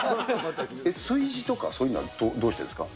炊事とか、そういうのはどうしてるんですか？